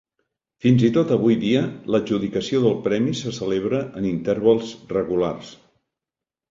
Fins i tot avui dia l'adjudicació del premi se celebra en intervals regulars.